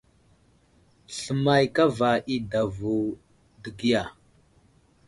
Sləmay kava i adavo dəgiya.